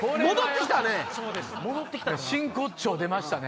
真骨頂出ましたね。